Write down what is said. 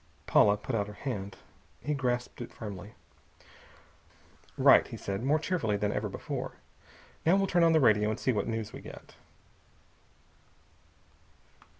Paula put out her hand. He grasped it firmly. "Right!" he said, more cheerfully than ever before. "Now we'll turn on the radio and see what news we get."